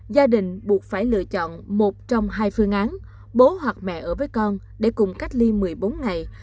gia đình buộc phải lựa chọn một trong hai phương án bố hoặc mẹ ở với con để cùng cách ly một mươi bốn ngày